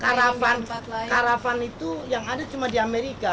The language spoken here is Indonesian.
kalau enggak karavan itu yang ada cuma di amerika